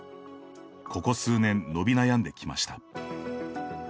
ここ数年、伸び悩んできました。